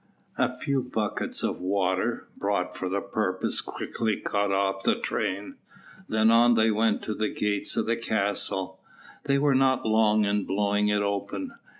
A few buckets of water, brought for the purpose, quickly cut off the train; then on they went to the gates of the castle. They were not long in blowing it open.